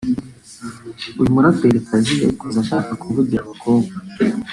uyu muraperikazi yayikoze ashaka kuvugira abakobwa